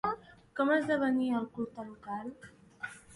Com esdevenia el culte local?